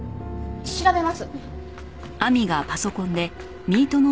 調べます。